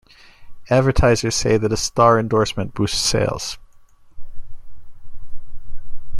Advertisers say that a star endorsement boosts sales.